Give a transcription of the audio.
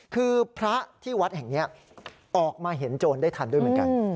คือพระที่วัดแห่งนี้ออกมาเห็นโจรได้ทันด้วยเหมือนกัน